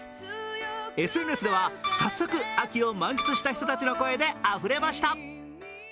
ＳＮＳでは、早速秋を満喫した人たちの声であふれました。